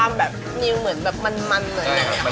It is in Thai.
อันนี้ก็เป็นเมนูที่